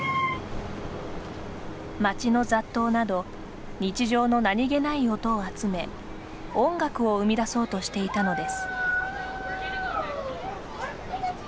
街の雑踏など日常の何気ない音を集め音楽を生み出そうとしていたのです。